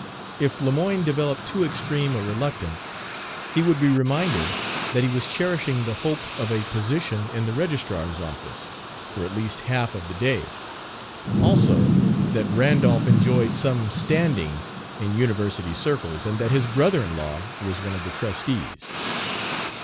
If Lemoyne developed too extreme a reluctance, he would be reminded that he was cherishing the hope of a position in the registrar's office, for at least half of the day; also, that Randolph enjoyed some standing in University circles, and that his brother in law was one of the trustees.